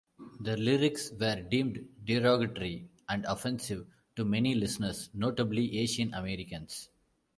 The lyrics were deemed derogatory and offensive to many listeners, notably Asian Americans.